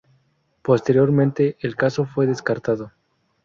Posteriormente el caso fue descartado.